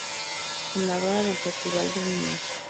Fundadora del Festival del Niño.